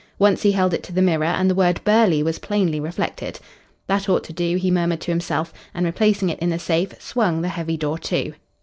Once he held it to the mirror, and the word "Burghley" was plainly reflected. "That ought to do," he murmured to himself, and, replacing it in the safe, swung the heavy door to.